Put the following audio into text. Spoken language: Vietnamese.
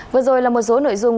vừa rồi là một số nội dung